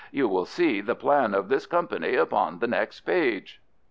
You will see the plan of this Company upon the next page.